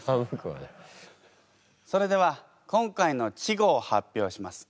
それでは今回の稚語を発表します。